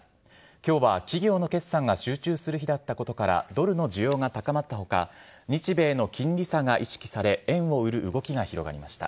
きょうは企業の決算が集中する日だったことから、ドルの需要が高まったほか、日米の金利差が意識され、円を売る動きが広がりました。